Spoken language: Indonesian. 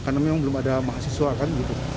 karena memang belum ada mahasiswa kan